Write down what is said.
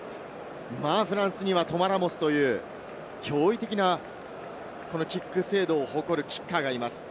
フランスにはトマ・ラモスという驚異的なキック精度を誇るキッカーがいます。